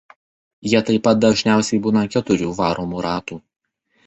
Jie taip pat dažniausiai būna keturių varomų ratų.